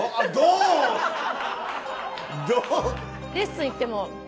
レッスン行っても。